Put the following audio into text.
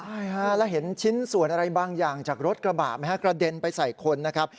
ใช่ฮะแล้วเห็นชิ้นส่วนอะไรบางอย่างจากรถกระบะไหมฮะกระเด็นไปใส่คนนะครับ